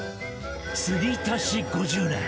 継ぎ足し５０年！